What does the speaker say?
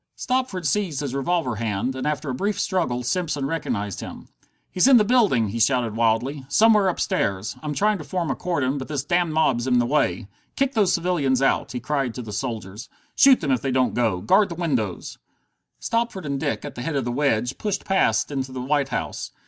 Stopford seized his revolver hand, and after a brief struggle Simpson recognized him. "He's in the building!" he shouted wildly. "Somewhere upstairs! I'm trying to form a cordon, but this damned mob's in the way. Kick those civilians out!" he cried to the soldiers. "Shoot them if they don't go! Guard the windows!" Stopford and Dick, at the head of the wedge, pushed past into the White House.